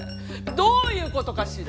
どういうことかしら。